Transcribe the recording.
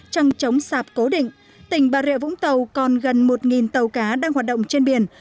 trăng trống sạp cố định tỉnh bà rịa vũng tàu còn gần một tàu cá đang hoạt động trên biển